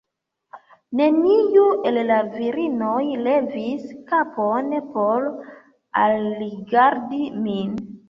Neniu el la virinoj levis kapon por alrigardi min.